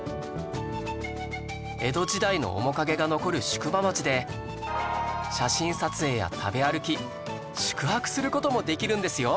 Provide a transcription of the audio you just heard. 江戸時代の面影が残る宿場町で写真撮影や食べ歩き宿泊する事もできるんですよ